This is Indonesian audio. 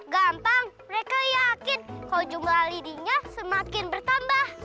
gampang mereka yakin kalau jumlah lidinya semakin bertambah